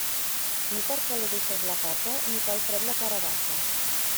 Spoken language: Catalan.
Ni per calor deixes la capa, ni pel fred la carabassa.